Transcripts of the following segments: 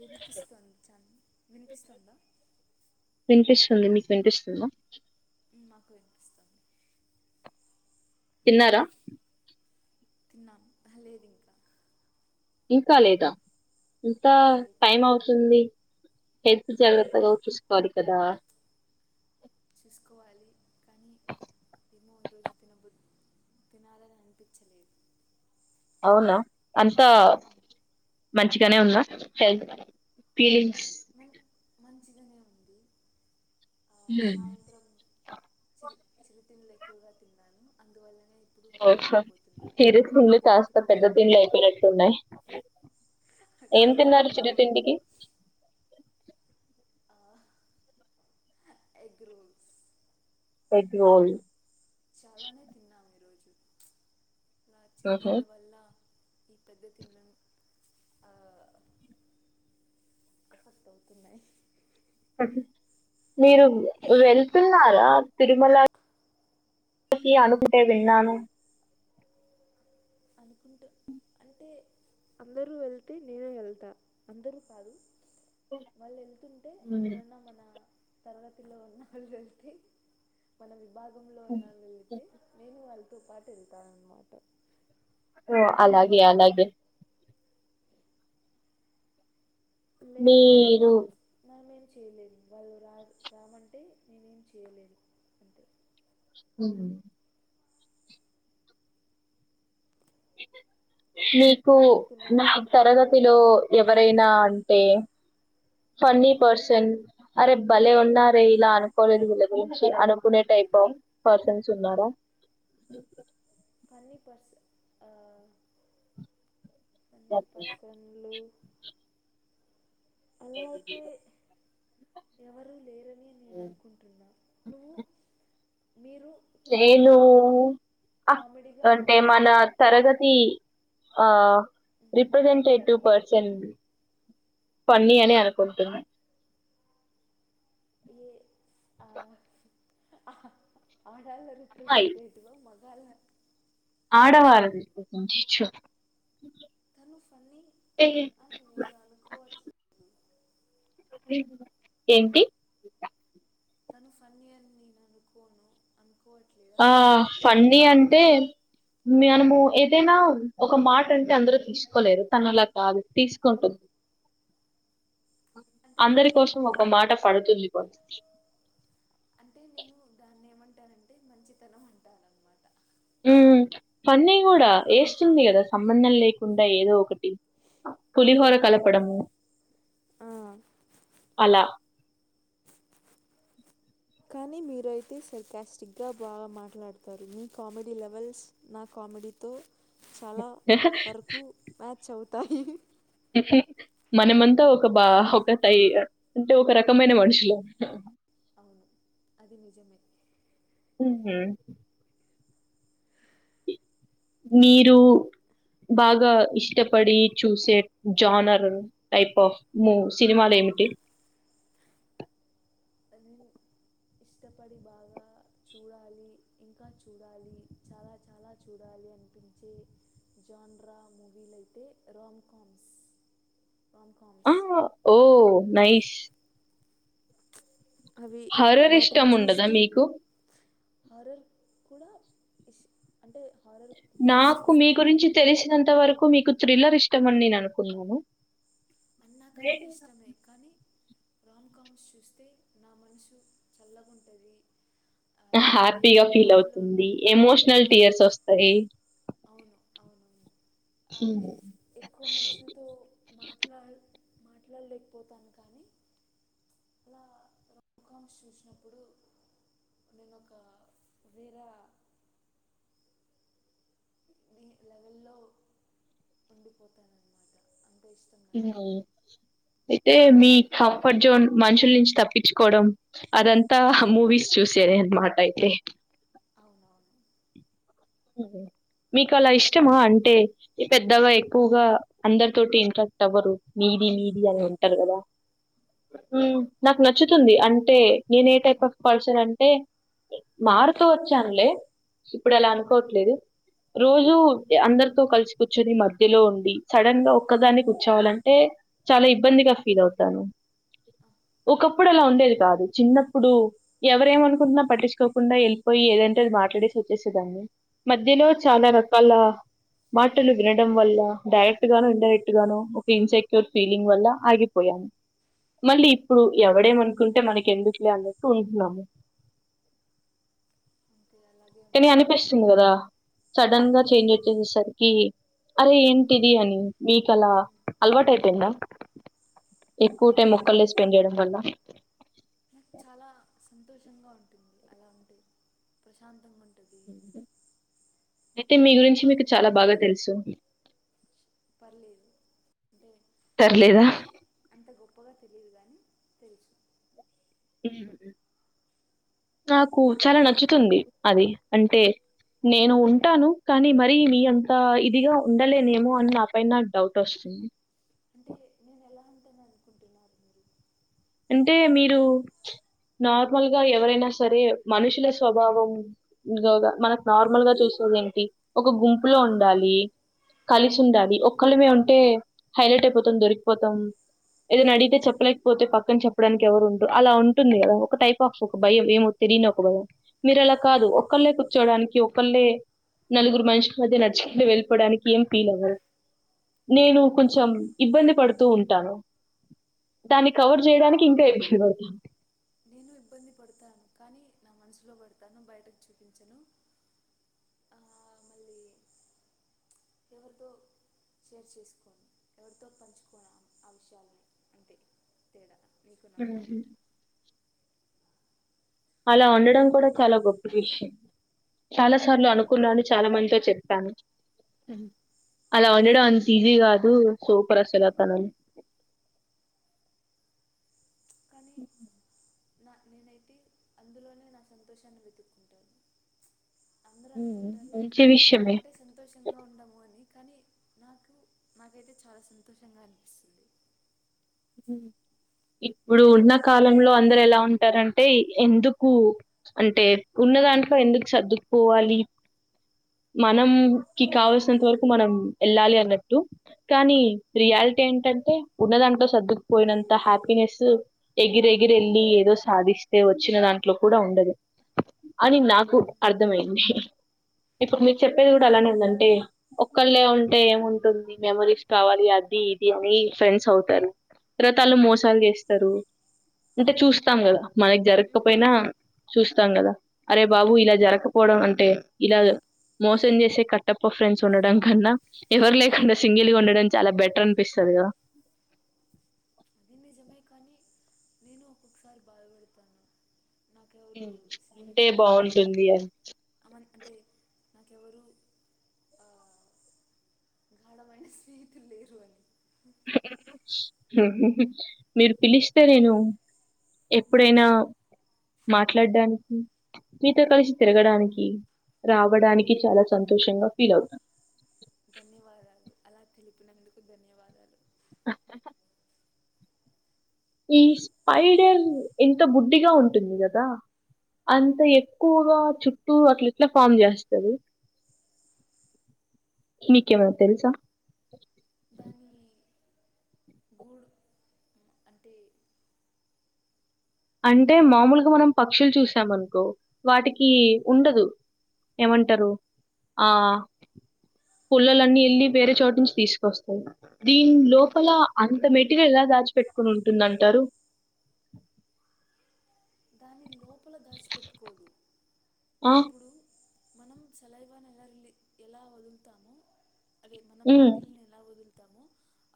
వినిపిస్తుంది చాల్ వినిపిస్తుందా? ఉంది మీక్ వినిపిస్తుందా? ఉమ్ మాకు వినిపిస్తుంది తిన్నారా? తిన్నామ్ అహ్ లేదింకా ఇంకా లేదా ఇంతా లేదు టైం అవుతుంది ఎత్ జాగ్రత్తగా ఉ చుసుకోవాలి కదా చూస్కోవాలి కానీ ఏమో ఈరోజు తినబు తినాలని అనిపిచ్చలేదు అవునా అంతా మంచిగానే ఉంద హెల్త్ ఫీలింగ్స్ మన్ మంచిగానే ఉంది ఆ, సాయంత్రం చిరు చిరుతిండ్లు ఎక్కువగా తిన్నాను అందువల్లనే ఇప్పుడు ఈ రోజు తినలేకపోతున్నాను తీరు తింలు చాస్తాఉంటే పెద్ద తినలేకపోయాను దిండ్లు ఐపోయినట్టున్నయి [unintelligible] ఎం తిన్నారు చిరుతిండ్లు అవును చిరుతిండికి అహ్ అ ఎగ్ రోల్స్ ఎగ్ రోల్ చాలానే తిన్నాము ఈరోజు ఇలా మ్హూ. చిరుతిండ్లు వల్ల ఈ పెద్ద తిన్లెమ్ ఆ [inaudible] అఫెక్టవుతున్నయి మీరు వెళ్తున్నారా తిరుమల కి అనుకుంటే విన్నాను అనుకుంటె అంటే అందరూ వెళ్తే నేను ఏళ్తా అందరూ కాదు వాళ్ళు ఏళ్తుంటే మ్. ఎవరన్నా మన తరగతిలో ఉన్న వాళ్ళు వెళ్తే మనం ఇ భాగంలో ఉన్నా వెళితే నేను వాళ్ళతో పాటు వెళ్తా అన్నమాట ఓ అలాగె అలాగె లేకపోతే మీరు మేం మేం చేయలేదు వాళ్ళు రా రామంటే నేనేం చేయలేను అంతె ఉమ్ నీకు మీరు తిన్నారా నాక్ తరగతిలో ఎవరైనా అన్ టే ఫన్ని పర్సన్ అరే భలే ఉన్నారే ఇలా అనుకోలేదు వీళ్ళ గురించి అనుకునే టైప్ ఆఫ్ పర్సన్స్ ఉన్నార? ఫనీ పర్సన్ ఆ ఫన్నీ పర్సన్లు ఎవరూ లేరె ఉమ్ ఉమ్ హు మీరు కొంచెం నేనూ అ కామెడీగా అంటే మన మాట్లాడతారు తరగతి ఆ రిప్రెజెంటేటివ్ పర్సన్ పన్నియనే అనుకుంటున్న ఎ ఆ అహ్ ఆడల్ల రెప్రజెంటేటివ్ ఆ మగ్ గాళ్ళ ఆడవాళ్ళ చిచో తను ఫన్ని అని నేనమనుకోవట్లేదు హి ఏంటి తను ఫన్ని అని నేను అనుకోను అట్ ఆ ఫన్నీ అంటే మ్యానము ఏదైనా ఒక మాట అంటే అందరు తీసుకోలేరు తను అలా కాదు తీసుకుంటుంది బ్లాంక్ అంటే అందరి కోసం ఒక మాట పడుతుంది కూడా బ్లాంక్ ఉంటానంటే మంచితనం అంటరానమాట ఉమ్ పన్నీ కూడా ఎస్తుంది కదా సంబంధం లేకుండా ఏదో ఒకటి పులిహోర కలపడము ఆ అలా కానీ మీరయితే సర్కాస్టిక్ గా బాగా మాట్లాడతారు మీ కామెడీ లెవెల్స్ నాక్ కామెడీతో చాలా వరకు మ్యాచ్ అవుతాయి బ్లాంక్ మనమంతా ఒక బా ఒక తై అంటే ఒక రకమైన మనుషులం బ్లాంక్ అవును అది నిజమే ఉహు మీరు బాగా ఇష్టపడి చూసే జానర్ టైప్ ఆఫ్ మూ సినిమాలేవి ఏట్టి నేను ఇష్టపడి బాగా చూడాలి ఇంకా చూడాలి చాలా చాలా చూడాలి చూడలి అనిపించే జాన్రా మూవీలయితే రామ్కామ్స్ బ్లాంక్ ఆ ఓ నైస్ అవి హారర్ ఇష్టం వాటిని ఉండదా చూస్తూ మీకు? హారర్ కూడా ఇష్ అంటే హారర్ కూడా నాకు మీ చూస్తాను గురించి తెలిసినంత వరకు మీకు థ్రిల్లర్ ఇష్టమని నేను అనుకున్నాను నాకన్నీ ఇష్టమె కానీ రామ్ కామ్స్ చూస్తే నా మనసు చల్లగుంటది హ్యాపీగా ఫీల్ అవుతుంది ఎమోషనల్ ఆ, టీయర్స్ వస్తాయి అయ్ ఎక్కువ మంచులతో మాట్లా మాట్లాడలేకపోతాను కానీ అలా రోమ్కామ్స్ చూసినప్పుడు నేనోక వేరా వేరే లెవెలొ ఉండి పోతాను అనమాట అ ఉమ్ అయితే మరి మీ మీకు కంఫర్ట్ జోన్ మనుషుల నుంచి తప్పిచుకోవడం అదంతా మూవీస్ చూసే అనమాట అయితే అవునవును ఉమ్ హు మీకు అలా మరి ఇష్టమా అంటే పెద్దగా ఎక్కువుగా అందరి తోటి ఇంట్రాక్ట్ అవ్వరు నీది నీది అని అంటరు కదా ఉమ్ నాకు నచ్చుతుంది అంటే నేనే టైప్ ఆఫ్ పర్సన్ అంటే మారుతూ వచ్చానులే ఇప్పుడు అలా అనుకోట్లేదు రోజూ యా అందరితో కలిసి కూర్చొని మధ్యలో ఉండి సడన్ గా ఒక్కదాని కూర్చోవాలంటే చాలా ఇబ్బందిగా ఫీల్ అవుతాను ఒకప్పుడు అలా ఉండేది కాదు చిన్నప్పుడు ఎవరేమ అనుకున్న పట్టించుకోకుండా వెళ్ళిపోయి ఏదంటే అది మాట్లాడేసి వచ్చేసేదాన్ని మధ్యలో చాలా రకాల మాటలు వినడం వల్ల డైరెక్ట్ గాను ఇండడైరెక్ట్ గాను ఒక ఇన్సెక్యూర్ ఫీలింగ్ వల్ల ఆగిపోయా మళ్ళీ ఇప్పుడు ఎవడేమనుకుంటే మనకి ఎందుకులే అని చెప్పి ఉంటున్నా అంతే అలాగే కాని ఉండాలి అనిపిస్తుంది కదా సడన్ గా చేంజ్ వచ్చేసేసరికి అరె ఏంటిది అని మీకు అలా అలవాటు అయిపోయింద ఎక్కువ టైం ముక్కలే స్పెండ్ చేయడం వల్ల నాకు చాలా సంతోషంగా ఉంటుంది అలా ఉంటే ప్రశాంతంగా ఉంటు అయితే మీ నా గురించి మ- మీకు చాలా బాగా తెలుసు పర్లేదు అంటే మరీ తర్లేదా? అంత గొప్పగా తెలీ లేదు గాని తెలుసు ఉమ్ నాకు చాలా నచ్చుతుంది అది అంటే నేను ఉంటాను కానీ మరి మీ అంతా ఇదిగా ఉండలేనేమో అని నా పైన నాక్ డౌట్ వస్తుంది ఆ తిన్న అనుకుంటున్నారు అంటే మీరు నార్మల్ గా ఎవరైనా సరే మనుషుల స్వభావం గగ మనకు నార్మల్ గా చూస్తు ఏంటి ఒక గుంపులో ఉండాలి కలిసుండాలి ఒకళ్ళమే ఉం అంటే హైలైట్ అయిపోతాం దొరికిపోతాం ఏదైనా అడిగితే చెప్పలేకపోతే పక్ కానీ చెప్పడానికి ఎవరు ఉంటు అలా ఉంటుంది కదా ఒక టైప్ ఆఫ్ ఒక భయం ఏమో తెలియని ఒక భయం మీరు అలా కాదు ఒక్కళ్ళే చడానికి ఒకళ్ళే నలుగురు మనుషుల మధ్య నడుచుకుంటూ వెళ్ళిపోవడానికి ఏం ఫీల్ అవ్వదు నేను కొంచెం ఇబ్బంది పడుతూ ఉంటాను దానికి నాకు నేను ఇబ్బంది పడతాను కానీ నా మనసులో పడతాను బయటకు చూపించను ఆ, మళ్ళీ ఎవరితో షేర్ చేసుకోని ఎవరితో నీకు నాకు [unintelligible] అలా ఉండడం కూడా చాలా గొప్ప విషయం చాలా సార్లు అలా అనుకున్నాని చాలా మందితో చెప్ పే ఆ, అలా వండడం అంత ఈజీ కాదు సూపర్ అస్సలు అతను కానీ ఉ ఉ నా నేనైతే అందులోనే నా సంతోషాన్ని వెతుక్కుంటాను అందరు హ్మ్. అనుకుంటారు మంచి అలా విషయమే. ఉంటే సంతోషంగా ఉండము అని కానీ నాకు నాకైతే చాలా సంతోషంగా అనిపిస్తుంది ఉ ఇప్పుడు ఉన్న కాలంలో అందరు ఎలా ఉంటారంటే ఎందుకు అంటే ఉం ఉన్న దాంట్లో ఎందుకు సర్దుకుపోవాలి మనం కి కావల్సినంత వరకు మనం వెళ్ళాలి అన్నట్టు కానీ రియాలిటే ఏంటంటే ఉన్నదాంట్లో సర్దుకుపోయినంత హ్యాపీనెస్ ఎగిర ఎగిర వెళ్లి ఏదో సాధిస్తే ఏ వచ్చిన దాంట్లో కూడా ఉండదు అని నాకు అర్థమయింది ఇప్పుడు మీకు చెప్పేది కూడా అలానే ఉందంటే ఒక్కళ్ళే ఉంటే ఏముంటుంది మెమరీస్ కావాలి అది అని ఫ్రెండ్స్ అవుతారు తర్వాత వాళ్ళు మోసాలు చేస్తరు అంటే చూస్తాం కదా మనకి జరగకపోయినా చూస్తాం కదా అరే బాబు ఇలా జరకపోవడం అంటే ఇలా మోసం చేసే కట్టప్ప ఫ్రెండ్స్ ఉండడం కన్నా ఎవరు లేకుండా సింగిల్గా ఉండడం చాలా బెటర్ అనిపిస్తుంది స్తది కదా అది నిజమే కానీ నేను ఒక్కొక్కసారి బాధపడతాను నాకెవరు మ్ ఉంటే స్నేహితులు లేరు బాగుంటుందీ అని అమన్ అంటే నాకెవరు స్నేహితులు లేరు అని [inaudible] మీరు పిలిస్తే నేను ఎప్పుడైనా మాట్లాడానికి మీతో కలిసి తిరగడానికి రావడానికి చాలా సంతోషంగా ఫీల్ అవుతాం ధన్యవాదాలు అలా తెలిపినందుకు ధన్యవాదాలు హా హహ ఈ స్పైడల్ ఎంత బుడ్డిగా ఉంటుంది గదా అంత ఎక్కువగా చుట్టూ అట్లేట్ల ఫామ్ చేస్తది మీకేమైనా తెలుసా దాని గూడు అంటే అంటే మామూలుగా మనం పక్షులు చూసామనుకో వాటికి ఉండదు ఏమంటరు ఆహ్ పుల్లలన్నీ యేళ్ళి వేరే చోటు నుంచి తీసుకొస్తార్ దీన్ లోపల అంత మెటీరియల్ లా దాచి పెట్టుకుని ఉంటుందంటారు దాని లోపల దాచిపెట్టుకోదు ఆహ్ ఇప్పుడు మనం చలైవాన్ ఎలా ఉంది ఎలా వదులుతామో అది ఉమ్ తామో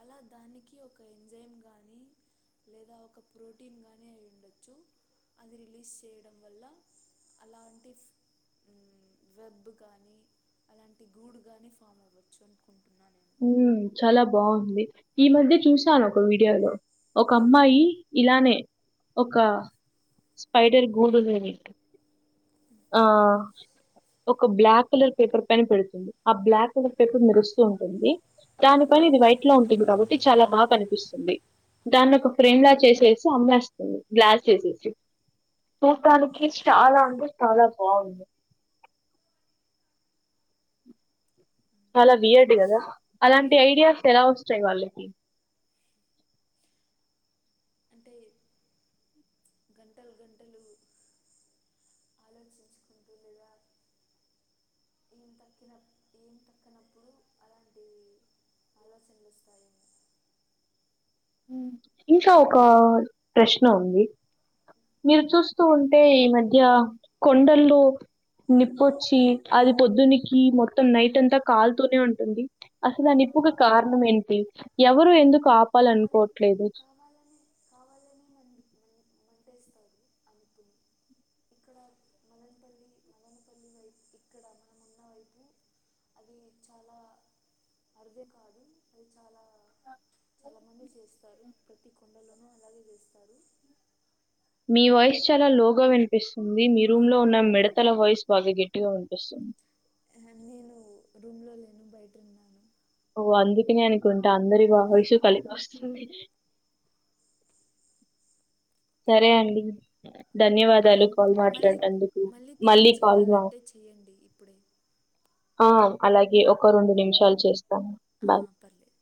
అలా దానికి ఒక ఏంజైం గానీ లేదా ఒక ప్రోటీన్ గాని అయి ఉండొచ్చు అది రిలీజ్ చేయడం వల్ల అలాంటి ఫ్ వెబ్ గాని అలాంటి గూడు గాని ఫామ్ అవ్వచ్చు అనుకుంటున్నాన్ ఉమ్ చాలా బాగుంది ఈ మధ్య చూసాను ఒక వీడియోలో ఒక అమ్మాయి ఇలానే ఒక స్పైడర్ గూడున్నది ఆహ్ ఒక బ్లాక్ కలర్ పేపర్ పైన పెడుతుంది ఆ బ్లాక్ కలర్ పేపర్ మెరుస్తూ ఉంది ది దాని పైన ఇది వైట్ లో ఉంటుంది కాబట్టి చాలా బా కనిపిస్తుంది దాన్ని ఒక ఫ్రేమ్ లా చేసేసి అమ్మేస్తుంది గ్లాస్ చేసేసి చూస్తానికి చాలా అంటే చాలా బావుంది చాలా వియార్డ్ గదా అలాంటి ఐడియాస్ ఎలా ఒస్తయ్ వాళ్ళకి [inaudible] అంటే గంటలు గంటలు ఆలోచించుకుంటుంది గదా ఎం తక్కిన ఎం తక్కనపుడు అలంటియ్ ఆలోచనలు వస్తాయేమో ఇంకా ఒక అహ్ ప్రశ్న ఉంది మీరు చూస్తూ ఉంటే ఈ మధ్య కొండల్లూ నిప్పొచ్చి అది పొద్దునికి మొత్తం నైట్ ఆ, అంతా కాల్తూనే ఉంటుంది అసలు ఆ ని ప్పుకి కారణం ఏంటి ఎవరు ఎందుకు వాళ్ళు కాపాలనుకోట్లే లేదు కావాలని కావాలని మండి మం- మంటేస్తారు అనుకుని ఇక్కడ మలనపల్లి మలనపల్లి వైప్ ఇక్కడ మనమున్న వైపు అది చాలా అరుదే కాదు అది చాలా చాలా మంది చేస్తారు ప్రతి కొండలోనూ అలాగే చేస్తారు మీ వాయిస్ చాలా లోగా వినిపిస్తుంది మీ రూమ్ లో ఉన్న మిడతల వాయిస్ బాగా గెట్టిగా గా వినిపిస్తుంది నేను రూమ్ లో లేను బయటన్నాను ఓ అందుకనే అనుకుంటే అందరి వాయిస్ కలిపి వస్తుంది సరే అండి ఆ, ధన్యవాదాలు కాల్ మళ్ళీ మాట్లాన్నందుకు తిరిగి మళ్ళీ కాల్ మా చేయాలంటే చేయండి ఇప్పుడే ఆ అలాగే ఒక రెండు నిమిషాలు చేస్ ఆ పర్లే